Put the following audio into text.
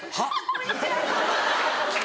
こんにちは。